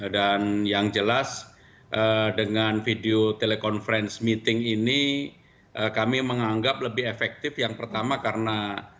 dan yang jelas dengan video telekonferens meeting ini kami menganggap lebih efektif yang pertama karena